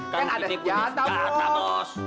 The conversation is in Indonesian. kan ada senjata bos